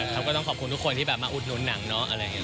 ผมก็ต้องขอบคุณทุกคนที่มาอุดนุนหนังเนอะ